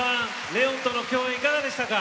レオンとの共演いかがでしたか。